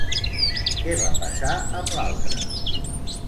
Què va passar amb l'altre?